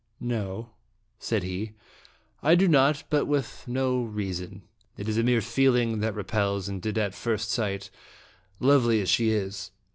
" No," said he, " I do not, but with no rea son. It is a mere feeling that repels, and did at first sight, lovely as she is.